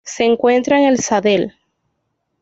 Se encuentra en el Sahel.